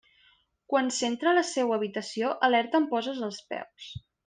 Quan s'entra a la seua habitació, alerta on poses els peus!